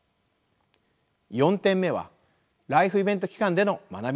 ４点目はライフイベント期間での学び直しです。